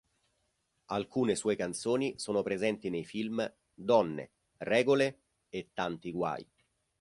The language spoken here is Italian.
Alcune sue canzoni sono presenti nei film "Donne, regole... e tanti guai!